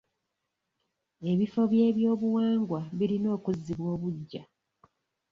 Ebifo by'ebyobuwangwa birina okuzzibwa obuggya.